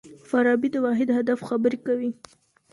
فارابي د واحد هدف خبري کوي.